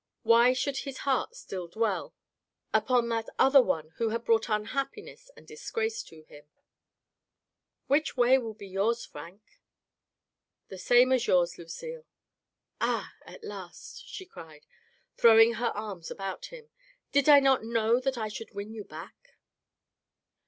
Why should his heart still dwell upon Digitized by Google 4B THE FATE OF FENELLA, that Other one who had brought unhappiness and disgrace to him ? "Which way will be yours, Frank?" " The same as yours, Lucille. "Ah, at last!" she cried, throwing her arms about him. " Did I not know that I should win you back